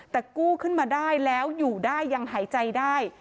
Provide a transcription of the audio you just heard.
แต่กู้ขึ้นมาได้แล้วอยู่ได้ยังหายใจได้